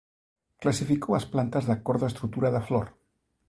Clasificou as plantas de acordo á estrutura da flor.